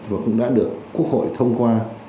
và cũng đã được quốc hội thông qua